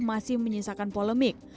masih menyisakan polemik